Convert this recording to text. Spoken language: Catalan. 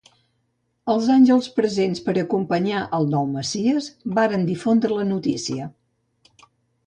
Els àngels presents per a acompanyar al nou messies varen difondre la notícia.